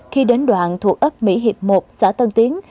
khi đến đoạn thuộc ấp mỹ hiệp một xã tân tiến